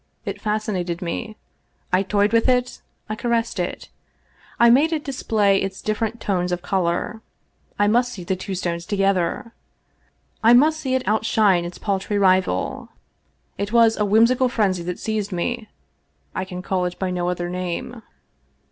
It fascinated me. I toyed with it, I caressed it. I made it display its different tones of color. I must see the two stones together. I must see it outshine its paltry rival. It was a whimsical frenzy that seized me — I can call it by no other name.